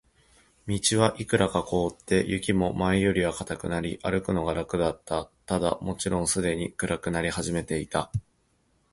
道はいくらか凍って、雪も前よりは固くなり、歩くのが楽だった。ただ、もちろんすでに暗くなり始めていた。